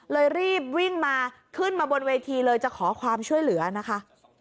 รีบวิ่งมาขึ้นมาบนเวทีเลยจะขอความช่วยเหลือนะคะ